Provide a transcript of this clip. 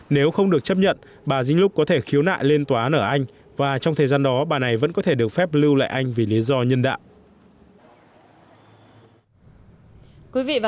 nếu không được chấp nhận bà ding lúc có thể khiếu nại lên tòa án ở anh và trong thời gian đó bà này vẫn có thể được phép lưu lại anh vì lý do nhân đạo